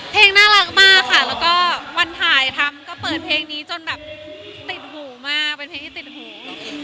เพลงน่ารักมากค่ะแล้วก็วันถ่ายทำก็เปิดเพลงนี้จนแบบติดหูมากเป็นเพลงที่ติดหู